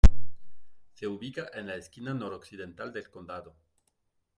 Se ubica en la esquina noroccidental del condado.